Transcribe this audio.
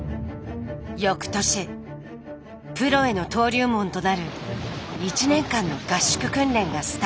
翌年プロへの登竜門となる１年間の合宿訓練がスタートしました。